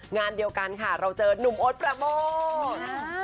งานเดียวกันค่ะเราเจอนุ่มโอ๊ตประโมท